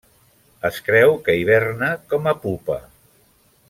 Es creu que hiberna com a pupa.